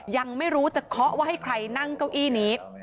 ยังไม่รู้จะเคาะว่าให้ใครนั่งเก้าอี้นี้